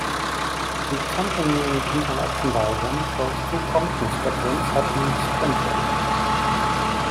The accompanying interaction diagram shows two Compton scatterings happening sequentially.